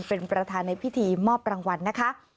เป็นประธานในพิธีมอบรางวัลนะคะ